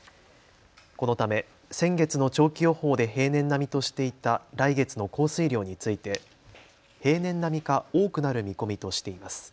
このため先月の長期予報で平年並みとしていた来月の降水量について平年並みか多くなる見込みとしています。